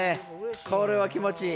これは気持ちいい。